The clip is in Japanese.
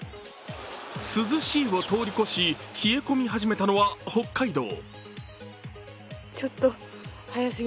涼しいを通り越し、冷え込み始めたのは北海道。